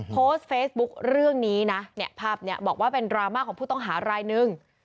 โพสต์เฟซบุ๊คเรื่องนี้นะเนี่ยภาพนี้บอกว่าเป็นดราม่าของผู้ต้องหารายนึง